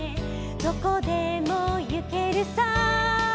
どこでもゆけるさ」